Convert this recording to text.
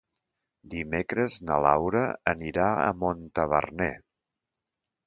Dimecres na Laura anirà a Montaverner.